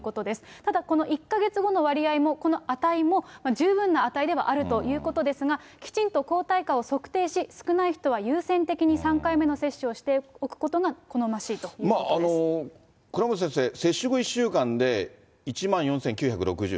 ただ、この１か月後の割合も、この値も、十分な値ではあるということですが、きちんと抗体価を測定し、少ない人は優先的に３回目の接種をしておくことが好ましいという倉持先生、接種後１週間で１万４９６０。